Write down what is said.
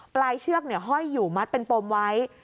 ปลายเชือกห้อยอยู่มัดเป็นปมไว้